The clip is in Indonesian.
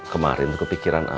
kemarin kepikiran aja